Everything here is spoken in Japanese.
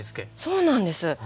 そうなんです。